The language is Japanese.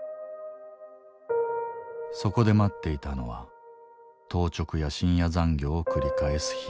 そこで待っていたのは当直や深夜残業を繰り返す日々。